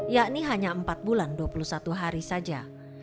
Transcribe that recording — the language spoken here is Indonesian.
yakni hanya empat bulan dua puluh satu hari saja